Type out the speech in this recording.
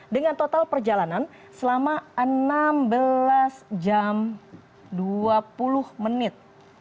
dengan total perjalanan selama enam belas jam dua puluh menit